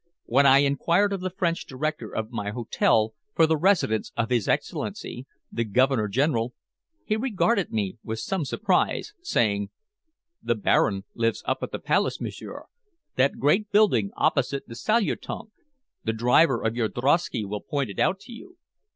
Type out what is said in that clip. When I inquired of the French director of my hotel for the residence of his Excellency, the Governor General, he regarded me with some surprise, saying: "The Baron lives up at the Palace, m'sieur that great building opposite the Salutong. The driver of your drosky will point it out to you."